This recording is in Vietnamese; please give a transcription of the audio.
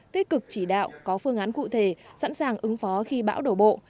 tích cực chỉ đạo có phương án cụ thể sẵn sàng ứng phó khi bão đổ bộ